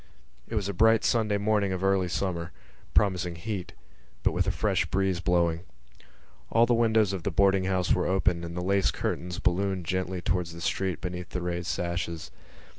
It was a bright Sunday morning of early summer, promising heat, but with a fresh breeze blowing. All the windows of the boarding house were open and the lace curtains ballooned gently towards the street beneath the raised sashes.